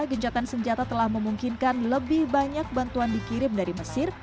gencatan senjata telah memungkinkan lebih banyak bantuan dikirim dari mesir